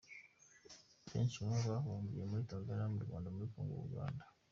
Benshi muri bo bahungiye muri Tanzania, mu Rwanda, muri Congo na Uganda.